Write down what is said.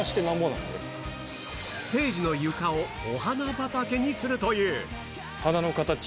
ステージの床をお花畑にするという。